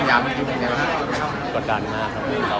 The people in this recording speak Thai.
ตอนนี้ต้องทำกินย้างไหนครับ